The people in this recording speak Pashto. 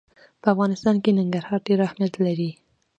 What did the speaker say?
په افغانستان کې ننګرهار ډېر اهمیت لري.